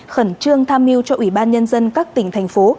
khẩn trương tham mưu cho ủy ban nhân dân các tỉnh thành phố